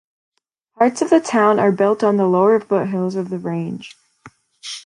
Parts of the town are built on the lower foothills of the range.